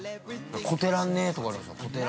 こてらんねとかありますよ。